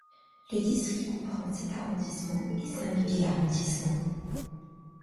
Le district comprend sept arrondissements et cinq villes-arrondissements.